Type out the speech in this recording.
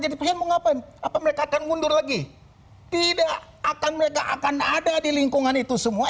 jadi pengen mengapaan apa mereka akan mundur lagi tidak akan mereka akan ada di lingkungan itu semua